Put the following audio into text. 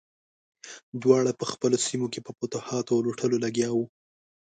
دواړه په خپلو سیمو کې په فتوحاتو او لوټلو لګیا وو.